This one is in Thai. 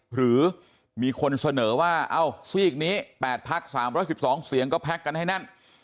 หรือมีคนเสนอว่าเอ้าซีกนี้๘พัก๓๑๒เสียงก็แพ็คกันให้แน่น